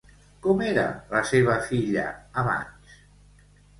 Com era la seva filla, abans?